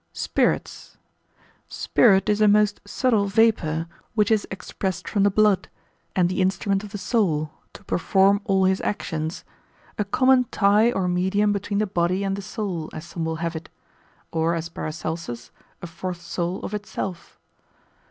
Spirits.] Spirit is a most subtle vapour, which is expressed from the blood, and the instrument of the soul, to perform all his actions; a common tie or medium between the body and the soul, as some will have it; or as Paracelsus, a fourth soul of itself.